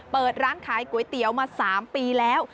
เปิดร้านขายก๋วยเตี๋ยวมา๓ปีแล้ว